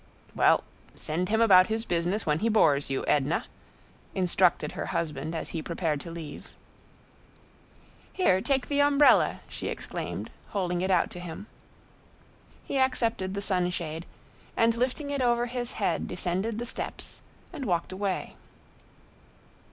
"Well, send him about his business when he bores you, Edna," instructed her husband as he prepared to leave. "Here, take the umbrella," she exclaimed, holding it out to him. He accepted the sunshade, and lifting it over his head descended the steps and walked away.